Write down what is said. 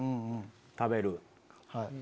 食べる。